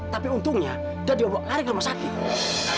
tapi untungnya udah diobak lari ke rumah sakit